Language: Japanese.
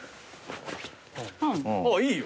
あっいいよ。